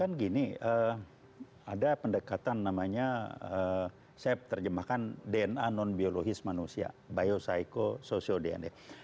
kan gini ada pendekatan namanya saya terjemahkan dna non biologis manusia biocycho socio dna